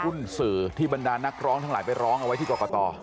สื่อที่บรรดานักร้องทั้งหลายไปร้องเอาไว้ที่กรกต